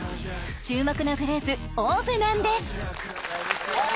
注目のグループＯＷＶなんです